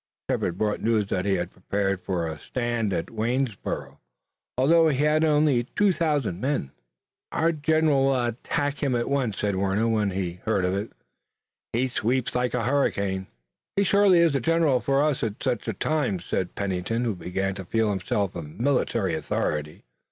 Shepard brought news that he had prepared for a stand at Waynesborough, although he had only two thousand men. "Our general will attack him at once," said Warner, when he heard of it. "He sweeps like a hurricane." "He is surely the general for us at such a time," said Pennington, who began to feel himself a military authority.